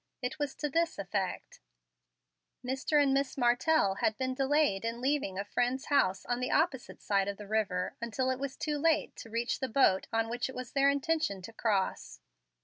It was to this effect: Mr. and Miss Martell had been delayed in leaving a friend's house on the opposite side of the river until it was too late to reach the boat on which it was their intention to cross.